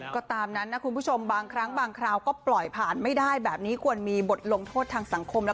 คือทำอะไรถ้าคุณจะไม่เห็นใจเราก็ให้นึกถึงพ่อแม่ที่เลี้ยงคุณมาดีกว่า